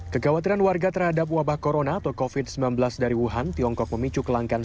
kekhawatiran warga terhadap wabah corona atau covid sembilan belas dari wuhan tiongkok memicu kelangkaan